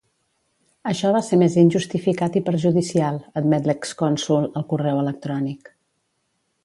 Això va ser més injustificat i perjudicial, admet l’ex-cònsol al correu electrònic.